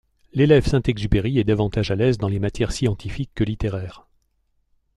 L'élève Saint-Exupéry est davantage à l'aise dans les matières scientifiques que littéraires.